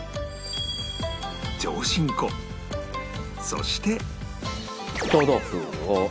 そして